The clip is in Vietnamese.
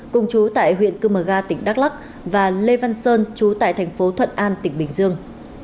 cùng chú tại huyện cư mờ ga tỉnh đắk lắc và lê văn sơn chú tại thành phố thuận an tỉnh bình dương